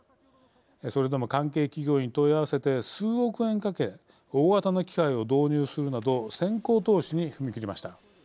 それでも、関係企業に問い合わせて数億円かけ大型の機械を導入するなど先行投資に踏み切りました。